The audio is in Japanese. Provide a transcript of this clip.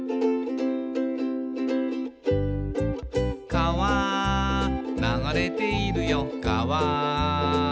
「かわ流れているよかわ」